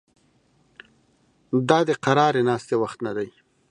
دا د قرارې ناستې وخت نه دی